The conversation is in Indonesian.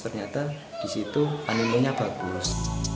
ternyata di situ animenya bagus